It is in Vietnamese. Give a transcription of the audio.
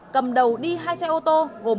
cầm đầu đi hai xe ô tô gồm